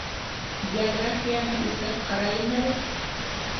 Географияны иҫләп ҡарайым әле!